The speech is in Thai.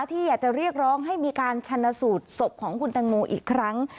ที่อยากจะเรียกร้องให้มีการชนะสูตรศพของคุณตังโมอีกครั้ง